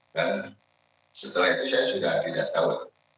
dan setelah itu saya sudah tidak tahu